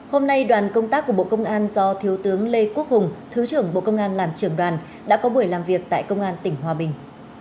hôm nay đoàn công tác của bộ công an do thiếu tướng lê quốc hùng thứ trưởng bộ công an làm trưởng đoàn đã có buổi làm việc tại công an tỉnh hòa bình